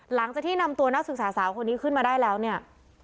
หลังจากที่นำตัวนักศึกษาสาวคนนี้ขึ้นมาได้แล้วเนี่ย